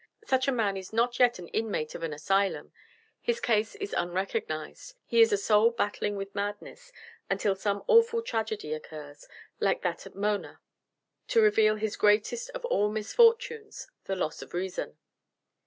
Such a man is not yet an inmate of an asylum. His case is unrecognized he is a soul battling with madness until some awful tragedy occurs, like that of Mona, to reveal his greatest of all misfortunes the loss of reason."